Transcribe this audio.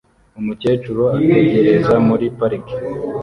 Umukecuru ategereza muri parike